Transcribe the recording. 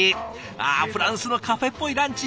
あフランスのカフェっぽいランチ。